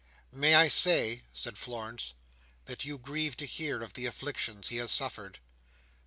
"May I say," said Florence, "that you grieved to hear of the afflictions he has suffered?"